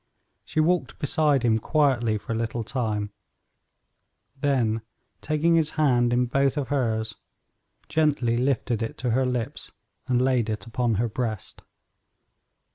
She walked beside him quietly for a little time, then, taking his hand in both of hers, gently lifted it to her lips and laid it upon her breast.